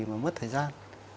mà mất thời gian